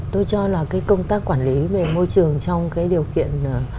tôi cho là cái công tác quản lý về môi trường trong cái điều kiện